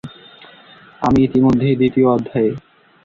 আমি ইতিমধ্যেই দ্বিতীয় অধ্যায়ে।